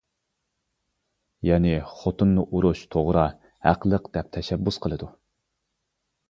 يەنى خوتۇننى ئۇرۇش توغرا، ھەقلىق دەپ تەشەببۇس قىلىدۇ.